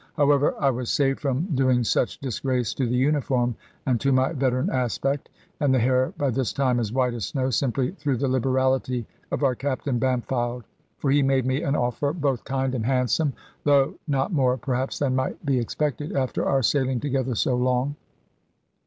However, I was saved from doing such disgrace to the uniform and to my veteran aspect, and the hair by this time as white as snow, simply through the liberality of our Captain Bampfylde. For he made me an offer both kind and handsome, though not more perhaps than might be expected, after our sailing together so long.